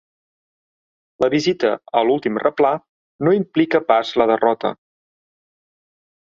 La visita a l'últim replà no implica pas la derrota.